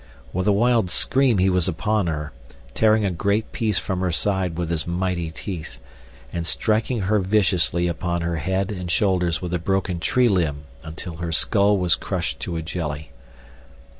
With a wild scream he was upon her, tearing a great piece from her side with his mighty teeth, and striking her viciously upon her head and shoulders with a broken tree limb until her skull was crushed to a jelly.